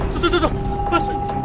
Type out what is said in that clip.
tuh tuh tuh tuh pas